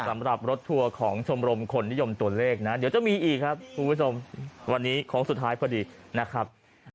สำหรับรถทัวร์ของชมรมคนนิยมตัวเลขนะเดี๋ยวจะมีอีกครับคุณผู้ชมวันนี้โค้งสุดท้ายพอดีนะครับ